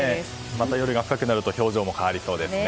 また夜が深くなると表情が変わりそうですね。